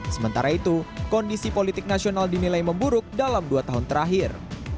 sementara itu kondisi politik nasional dinilai memburuk dalam dua tahun terakhir